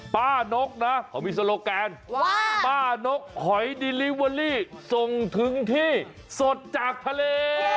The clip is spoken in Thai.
นกนะเขามีโซโลแกนว่าป้านกหอยดิลิเวอรี่ส่งถึงที่สดจากทะเล